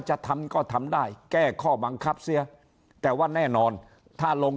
จะทำก็ทำได้แก้ข้อบังคับเสียแต่ว่าแน่นอนถ้าลง